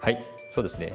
そうですね。